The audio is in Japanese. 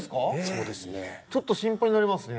そうですねちょっと心配になりますね